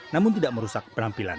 namun tidak merusak perampilan